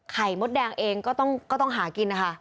มดแดงเองก็ต้องหากินนะคะ